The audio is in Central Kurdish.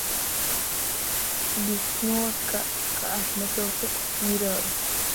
بیستمەوە کە ئەحمەد تەوفیق گیراوە